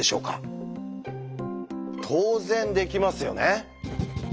当然できますよね。